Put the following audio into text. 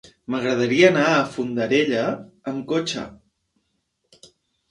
M'agradaria anar a Fondarella amb cotxe.